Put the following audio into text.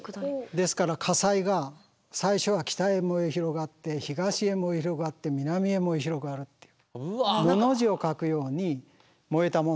ですから火災が最初は北へ燃え広がって東へ燃え広がって南へ燃え広がるっていう。